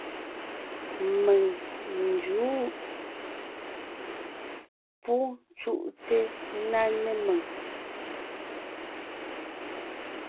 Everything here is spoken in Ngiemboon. Mèŋ n jǔʼ. Pú cúʼte ńná né mèŋ.